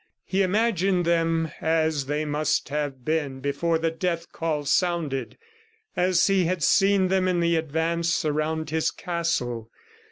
... He imagined them as they must have been before the death call sounded, as he had seen them in the advance around his castle.